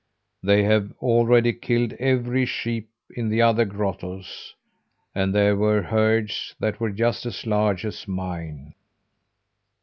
They have already killed every sheep in the other grottoes, and there were herds that were just as large as mine."